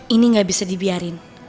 ini gak bisa dibiarin